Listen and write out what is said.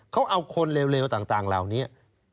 เขาเอาคนเลวต่างเหล่านี้